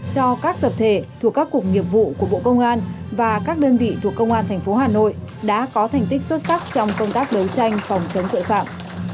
cho các tập thể thuộc các cục nghiệp vụ của bộ công an và các đơn vị thuộc công an tp hà nội đã có thành tích xuất sắc trong công tác đấu tranh phòng chống tội phạm